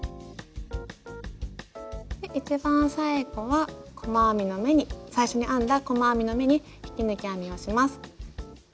一番最後は細編みの目に最初に編んだ細編みの目に引き抜き編みをします。